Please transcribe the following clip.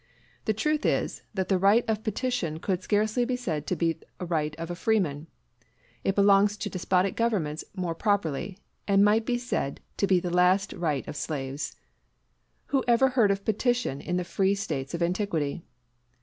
The truth is, that the right of petition could scarcely be said to be the right of a freeman. It belongs to despotic governments more properly, and might be said to be the last right of slaves. Who ever heard of petition in the free States of antiquity?